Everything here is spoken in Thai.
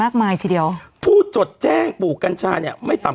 อืมอืมอืมอืมอืมอืม